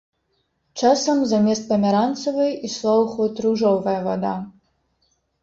Часам замест памяранцавай ішла ў ход ружовая вада.